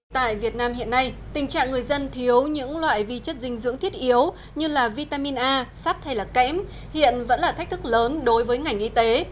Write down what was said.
tại việt nam hiện nay tình trạng người dân thiếu những loại vi chất dinh dưỡng thiết yếu như vitamin a sắt hay kẽm hiện vẫn là thách thức lớn đối với ngành y tế